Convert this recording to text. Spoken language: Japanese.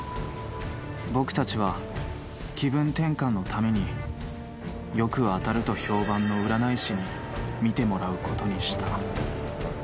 「僕たちは気分転換のためによく当たると評判の占い師にみてもらうことにした」